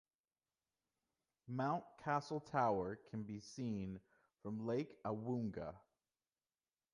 Mount Castle Tower can be seen from Lake Awoonga.